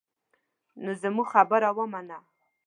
نو زما خبره ومنه.